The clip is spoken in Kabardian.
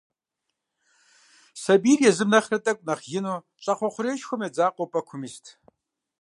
Сэбийр езым нэхърэ тӏукӏэ нэхъ ину щӏакхъуэ хъурейшхуэм едзэгъуу пӏэкум ист.